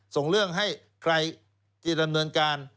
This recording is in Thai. ส่งเรื่องให้ใครที่ดำเนินการ